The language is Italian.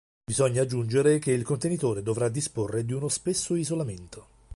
Bisogna aggiungere che il contenitore dovrà disporre di uno spesso isolamento.